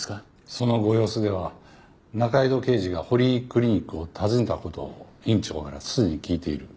そのご様子では仲井戸刑事が堀井クリニックを訪ねた事を院長からすでに聞いている。